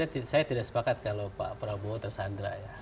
saya tidak sepakat kalau pak prabowo tersandra ya